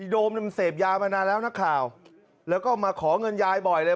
โดมมันเสพยามานานแล้วนักข่าวแล้วก็มาขอเงินยายบ่อยเลย